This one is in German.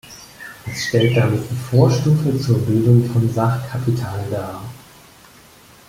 Es stellt damit die Vorstufe zur Bildung von Sachkapital dar.